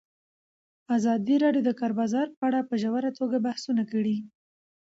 ازادي راډیو د د کار بازار په اړه په ژوره توګه بحثونه کړي.